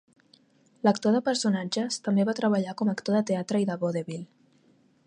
L'actor de personatges també va treballar com a actor de teatre i de vodevil.